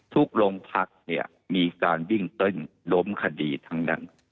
โรงพักเนี่ยมีการวิ่งเต้นล้มคดีทั้งนั้น